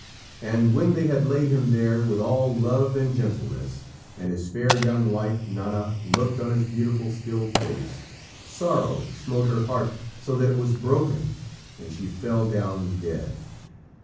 And when they had laid him there, with all love and gentleness, and his fair young wife, Nanna, looked on his beautiful still face, sorrow smote her heart so that it was broken, and she fell down dead.